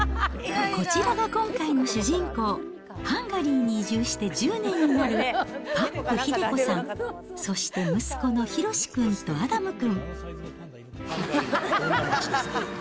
こちらが今回の主人公、ハンガリーに移住して１０年になるパップ英子さん、そして息子のヒロシ君とアダム君。